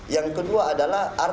yang kedua adalah